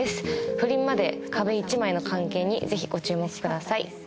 不倫まで壁一枚の関係にぜひご注目ください。